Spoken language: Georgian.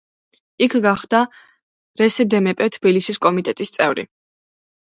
იქ გახდა რსდმპ თბილისის კომიტეტის წევრი.